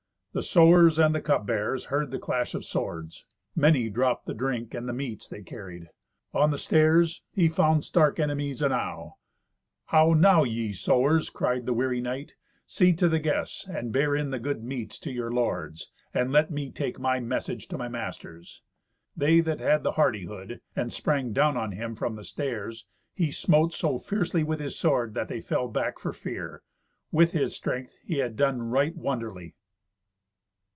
The sewers and the cup bearers heard the clash of swords. Many dropped the drink and the meats they carried. On the stairs he found stark enemies enow. "How now, ye sewers?" cried the weary knight; "see to the guests, and bear in the good meats to your lords, and let me take my message to my masters." They that had the hardihood, and sprang down on him from the stairs, he smote so fiercely with his sword that they fell back for fear. With his strength he had done right wonderly.